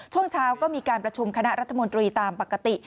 ช่วงเช้าก็มีการประชุมคณะรัฐมนตรีตามปกติ